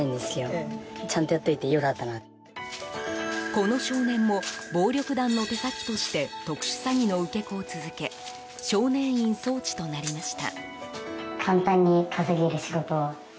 この少年も暴力団の手先として特殊詐欺の受け子を続け少年院送致となりました。